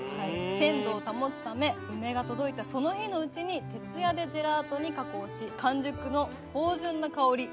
鮮度を保つため梅が届いたその日のうちに徹夜でジェラートに加工し。